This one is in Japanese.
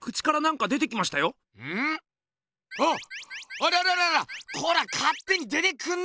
あららららコラかってに出てくんな！